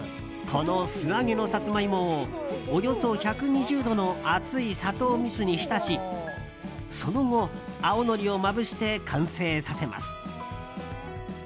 この素揚げのサツマイモをおよそ１２０度の熱い砂糖蜜に浸しその後、青のりをまぶして完成させます。